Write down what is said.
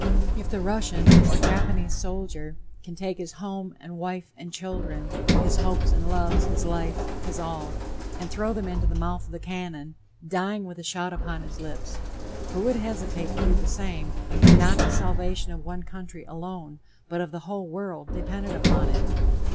If the Russian or Japanese soldier can take his home and wife and children, his hopes and loves, his life, his all, and throw them into the mouth of the cannon, dying with a shout upon his lips, who would hesitate to do the same, when not the salvation of one country alone, but of the whole world, depended upon it?